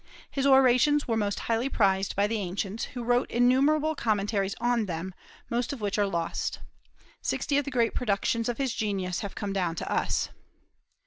His orations were most highly prized by the ancients, who wrote innumerable commentaries on them, most of which are lost. Sixty of the great productions of his genius have come down to us.